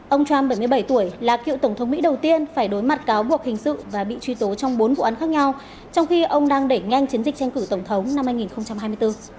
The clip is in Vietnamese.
ông trump bảy mươi bảy tuổi là cựu tổng thống mỹ đầu tiên phải đối mặt cáo buộc hình sự và bị truy tố trong bốn vụ án khác nhau trong khi ông đang đẩy nhanh chiến dịch tranh cử tổng thống năm hai nghìn hai mươi bốn